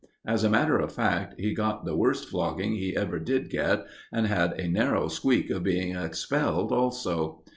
As a matter of fact, he got the worst flogging he ever did get, and had a narrow squeak of being expelled also.